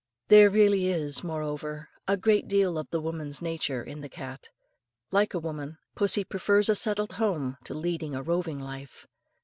There really is, moreover, a great deal of the woman's nature in the cat. Like a woman, pussy prefers a settled home to leading a roving life.